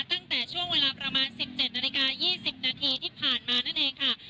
ตั้งแต่ช่วงเวลาประมาณ๑๗นาฬิกา๒๐นาทีที่ผ่านมานั่นเองค่ะ